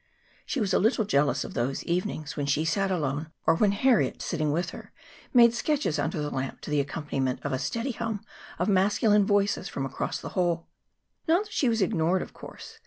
She was a little jealous of those evenings, when she sat alone, or when Harriet, sitting with her, made sketches under the lamp to the accompaniment of a steady hum of masculine voices from across the hall. Not that she was ignored, of course.